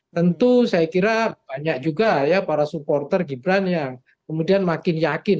tentu saya kira banyak juga ya para supporter gibran yang kemudian makin yakin